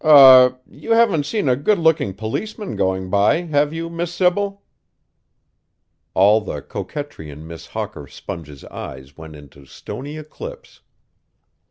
Er you haven't seen a good looking policeman going by, have you, Miss Sybil?" All the coquetry in Miss Hawker Sponge's eyes went into stony eclipse.